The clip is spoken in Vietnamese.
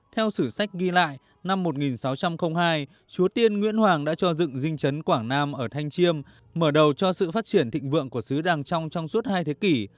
theo sử sách ghi lại năm một nghìn sáu trăm linh hai chúa tiên nguyễn hoàng đã cho dựng dinh chấn quảng nam ở thanh chiêm mở đầu cho sự phát triển thịnh vượng của xứ đàng trong suốt hai thế kỷ